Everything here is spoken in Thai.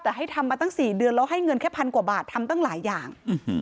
แต่ให้ทำมาตั้ง๔เดือนแล้วให้เงินแค่พันกว่าบาททำตั้งหลายอย่าง